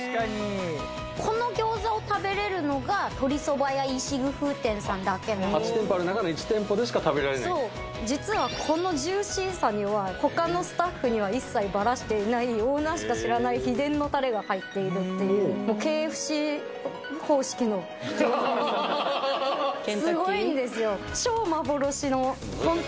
この餃子を食べれるのが８店舗ある中の１店舗でしか食べられないそう実はこのジューシーさにはほかのスタッフには一切バラしていないオーナーしか知らない秘伝のタレが入っているっていうの餃子屋さんなんですすごいんですよ